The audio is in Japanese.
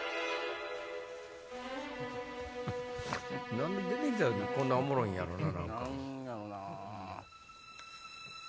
何で出て来ただけでこんなおもろいんやろな。